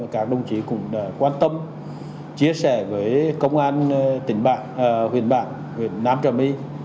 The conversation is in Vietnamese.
các đồng chí cũng quan tâm chia sẻ với công an huyện bạc huyện nam trà my